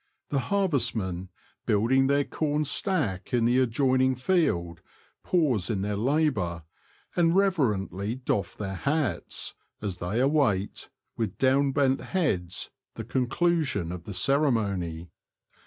The harvestmen, building their corn stack in the ad joining field, pause in their labour, and reverently doff their hats, as they await, with down bent heads, the conclusion of the ceremony.